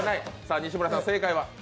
西村さん、正解は？